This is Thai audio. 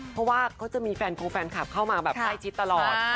เพราะว่าเขาจะมีแฟนคงแฟนคลับเข้ามาแบบใกล้ชิดตลอด